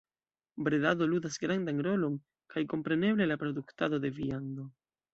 Bredado ludas grandan rolon, kaj kompreneble la produktado de viando.